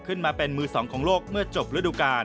ขึ้นมาเป็นมือสองของโลกเมื่อจบฤดูกาล